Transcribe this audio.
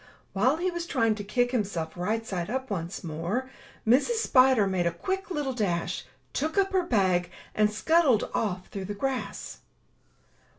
While he was trying to kick himself right side up once more, Mrs. Spider made a quick little dash, took up her bag, and scuttled off through the grass.